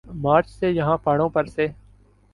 مارچ سے یہاں پہاڑوں پر سے